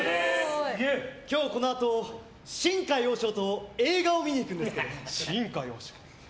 今日このあとシンカイ和尚と映画を見に行くんです。